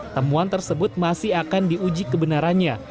temuan tersebut masih akan diuji kebenarannya